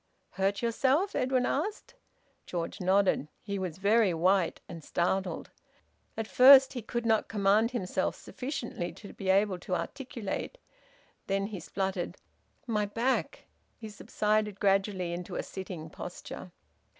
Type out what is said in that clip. "Hurt yourself?" Edwin asked. George nodded. He was very white, and startled. At first he could not command himself sufficiently to be able to articulate. Then he spluttered, "My back!" He subsided gradually into a sitting posture.